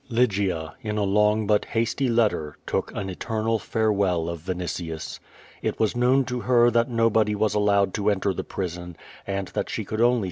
Lygia, in a long but hasty letter, took an eternal farewell of A'initius. It ^^'as known to her that nobodv was allowed to enter the ]">rison, and that she could only